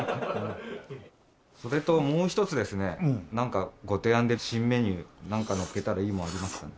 それともう一つですねなんかご提案で新メニューなんかのっけたらいいものありますかね？